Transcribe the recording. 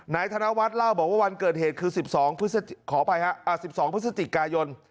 นายธนวัฒน์เล่าว่าวันเกิดเหตุคือ๑๒พฤศจิกายนต์